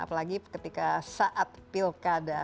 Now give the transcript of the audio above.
apalagi ketika saat pilkada